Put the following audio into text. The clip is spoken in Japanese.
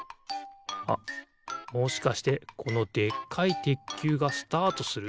あっもしかしてこのでっかいてっきゅうがスタートする？